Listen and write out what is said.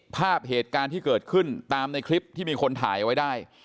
ภาพเหตุการณ์ที่เกิดขึ้นตามในคลิปที่มีคนถ่ายไว้ได้